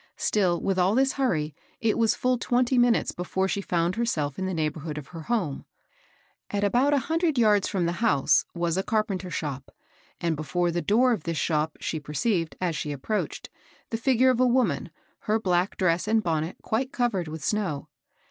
Still, with all this hurry, it was full twenty minutes be fore she found herself in the neighborhood of her home. A LEGAL FRIEND. 265 At about a hundred yards from the house, was a carpenteivshop, and before the door of this shop she perceived, as she approached, the figure of a woman, her black dress and bonnet quite covered with snow.